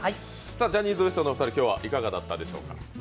ジャニーズＷＥＳＴのお二人今日はいかがだったでしょうか？